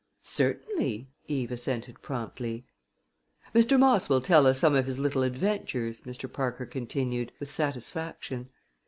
"Certainly!" Eve assented promptly. "Mr. Moss will tell us some of his little adventures," Mr. Parker continued, with satisfaction.